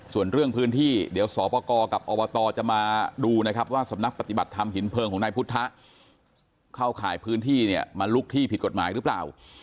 ส่วนเรื่องพื้นที่เดี๋ยวสอปกรกับอบตจะมาดูนะครับว่าสำนักปฏิบัติธรรมหินเพลิงของนายพุทธะเข้าข่ายพื้นที่เนี่ยมันลุกที่ผิดกฎหมายหรือเปล่า